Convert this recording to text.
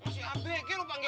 masih abek ya lo panggil